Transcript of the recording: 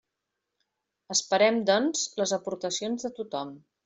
Esperem, doncs, les aportacions de tothom.